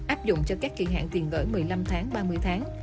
áp dụng cho các kỳ hạn tiền gửi một mươi năm tháng ba mươi tháng